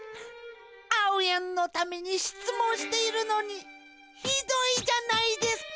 あおやんのためにしつもんしているのにひどいじゃないですか！